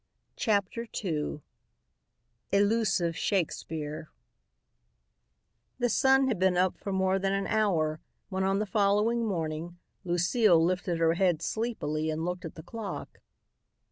CHAPTER II ELUSIVE SHAKESPEARE The sun had been up for more than an hour when on the following morning Lucile lifted her head sleepily and looked at the clock.